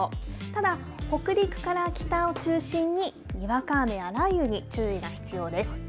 ただ、北陸から北を中心に、にわか雨や雷雨に注意が必要です。